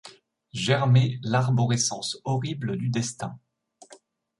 Germer l’arborescence horrible du destin.